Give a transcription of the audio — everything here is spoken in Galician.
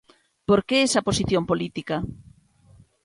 Por que esa posición política?